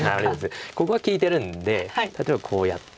ここが利いてるんで例えばこうやって。